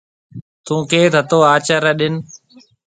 ٿُون ڪيٿ هتو آچر ري ڏن۔